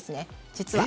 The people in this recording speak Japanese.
実は。